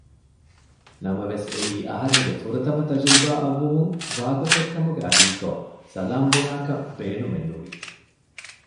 ނަމަވެސް އެއީ އަހަރެންގެ ފުރަތަމަ ތަޖުރިބާއަށްވުމުން ވާގޮތެއް ކަމުގައި ހީކޮށް ސަލާން ބުނާކަށް ބޭނުމެއްނުވި